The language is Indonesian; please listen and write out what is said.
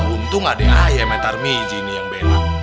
untung ada ayah metarmijini yang belak